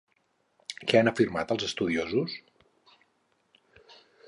Què han afirmat els estudiosos?